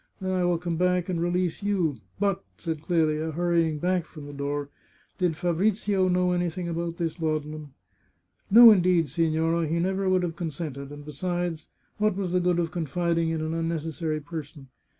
Then I will come back and release you. But," said Clelia, hurrying back from the door, " did Fa brizio know anything about this laudanum ?"" No, indeed, signorina. He never would have con sented. And besides, what was the good of confiding in an unnecessary person